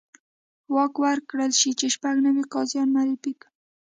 واک ورکړل شي چې شپږ نوي قاضیان معرفي کړي.